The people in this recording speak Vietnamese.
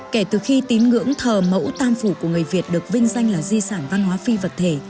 kể từ khi tín ngưỡng thờ mẫu tam phủ của người việt được vinh danh là di sản văn hóa phi vật thể